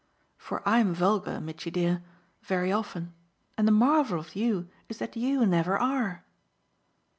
For I'm vulgar, Mitchy dear very often; and the marvel of you is that you never are."